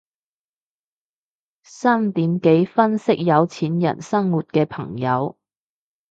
三點幾分析有錢人生活嘅朋友